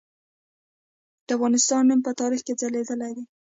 د افغانستان نوم په تاریخ کې ځلیدلی دی.